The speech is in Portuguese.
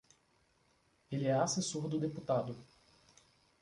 Ele é assessor do deputado.